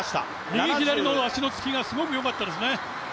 右、左の足のつきがすごくよかったですね。